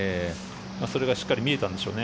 それがしっかり見えたんでしょうね。